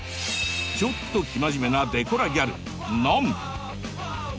ちょっと生真面目なデコラギャルのん。